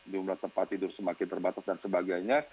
jumlah tempat tidur semakin terbatas dan sebagainya